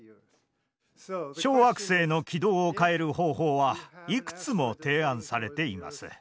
小惑星の軌道を変える方法はいくつも提案されています。